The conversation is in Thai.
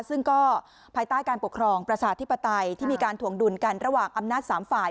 ซึ่งก็ภายใต้การปกครองประชาธิปไตยที่มีการถวงดุลกันระหว่างอำนาจ๓ฝ่าย